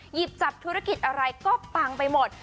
หยิบจับธุรกิจอะไรก็ปังไปหมด